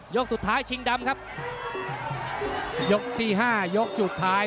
สุดท้ายชิงดำครับยกที่ห้ายกสุดท้าย